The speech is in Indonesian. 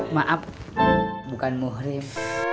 maaf bukan muhrim